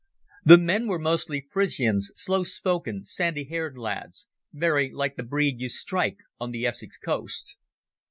The men were mostly Frisians, slow spoken, sandy haired lads, very like the breed you strike on the Essex coast.